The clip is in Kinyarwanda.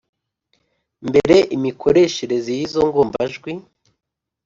mbere imikoreshereze y’izo ngombajwi